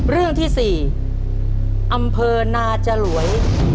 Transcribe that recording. เรื่องที่๔อำเภอนาจรวย